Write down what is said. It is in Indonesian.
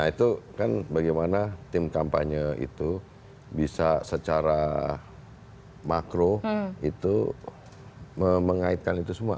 nah itu kan bagaimana tim kampanye itu bisa secara makro itu mengaitkan itu semua